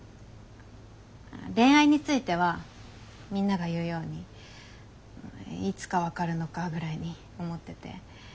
恋愛についてはみんなが言うようにいつか分かるのかぐらいに思ってて。